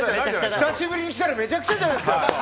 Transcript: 久しぶりに来たらめちゃくちゃじゃないですか！